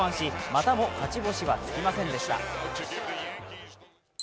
またも勝ち点はつきませんでした。